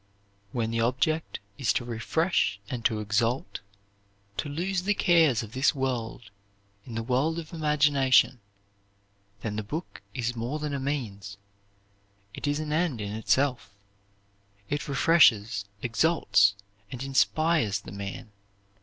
When the object is to refresh and to exalt, to lose the cares of this world in the world of imagination, then the book is more than a means. It is an end in itself. It refreshes, exalts, and inspires the man.